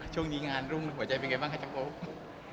ช่วงนี้งานรุ่งหัวใจเป็นไงบ้างคะจำโป๊